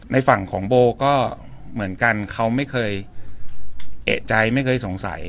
ในฝั่งของโบก็เหมือนกันเขาไม่เคยเอกใจไม่เคยสงสัย